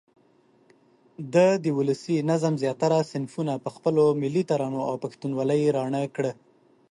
ده د ولسي نظم زیاتره صنفونه په خپلو ملي ترانو او پښتونوالې راڼه کړه.